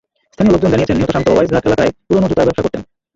স্থানীয় লোকজন জানিয়েছেন, নিহত শান্ত ওয়াইজঘাট এলাকায় পুরোনো জুতার ব্যবসা করতেন।